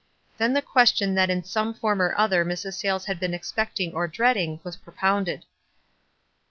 Then the question that in some form or other Mrs. Sayles had been expecting or dreading, was propounded.